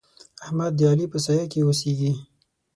احمد د علي په سايه کې اوسېږي.